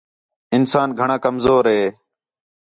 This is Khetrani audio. انسان گھݨاں کمزور ہے